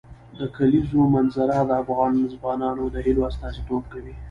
د کلیزو منظره د افغان ځوانانو د هیلو استازیتوب کوي.